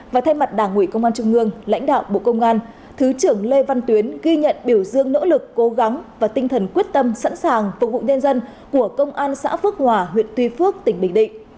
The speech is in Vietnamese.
và thay mặt đảng ủy công an trung ương lãnh đạo bộ công an thứ trưởng lê văn tuyến ghi nhận biểu dương nỗ lực cố gắng và tinh thần quyết tâm sẵn sàng phục vụ nhân dân của công an xã phước hòa huyện tuy phước tỉnh bình định